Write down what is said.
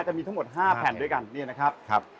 จะมีทั้งหมด๕แผ่นด้วยกันเนี่ยนะครับ